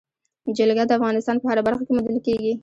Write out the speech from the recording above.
جلګه د افغانستان په هره برخه کې موندل کېږي.